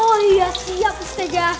oh iya siap ustazah